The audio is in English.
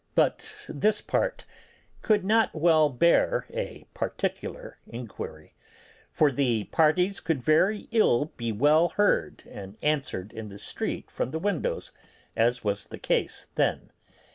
But this part could not well bear a particular inquiry, for the parties could very ill be well heard and answered in the street from the windows, as was the case then.